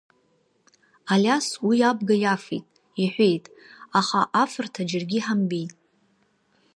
Алиас уи абга иафеит, иҳәеит, аха афарҭа џьаргьы иҳамбеит.